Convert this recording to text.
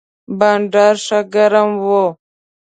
بانډار ښه ګرم و.